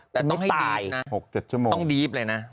แต่ไม่ตาย๖๗ชั่วโมงต้องดีพเลยนะ